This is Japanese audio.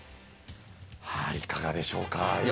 いかがでしょうか。